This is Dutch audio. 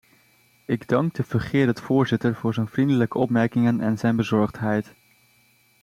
Ik dank de fungerend voorzitter voor zijn vriendelijke opmerkingen en zijn bezorgdheid.